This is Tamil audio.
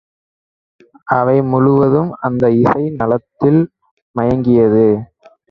அவை முழுவதும், அந்த இசை நலத்தில் மயங்கியது.